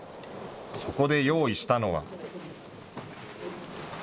そこで用意したのは。